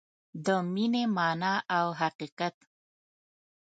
د مینې مانا او حقیقت